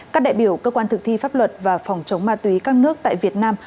các đại biểu cơ quan thực thi pháp luật và phòng chống ma túy các nước tại việt nam